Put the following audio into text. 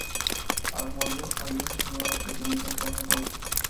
Harmodio Arias asumió la presidencia tras el golpe.